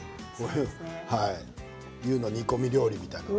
牛の煮込み料理みたいな。